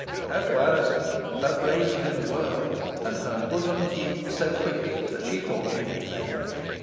As to Alizon, her brain was in a whirl, and her bosom heaved so quickly, that she thought she should faint.